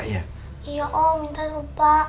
iya om intan lupa